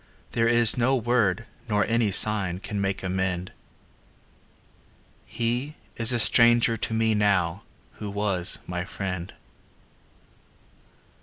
There is no word nor any sign Can make amend He is a stranger to me now Who was my friend.